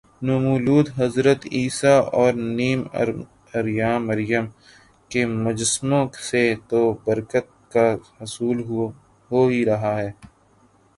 نومولود حضرت عیسی ؑ اور نیم عریاں مریم ؑ کے مجسموں سے تو برکت کا حصول ہو ہی رہا ہے